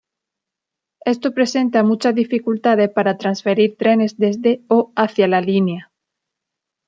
Esto presenta muchas dificultades para transferir trenes desde o hacia la línea.